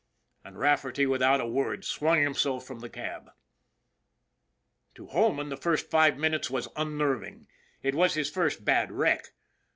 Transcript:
And Rafferty without a word swung himself from the cab. To Holman the first five minutes was unnerving. It was his first bad wreck.